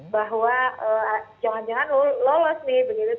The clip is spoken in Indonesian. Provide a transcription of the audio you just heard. bahwa jangan jangan lolos nih begitu